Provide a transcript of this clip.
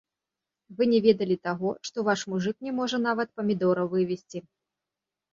Вы не ведалі таго, што ваш мужык не можа нават памідораў вывесці.